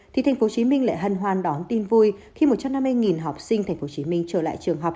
thì tp hcm lại hân hoan đón tin vui khi một trăm năm mươi học sinh tp hcm trở lại trường học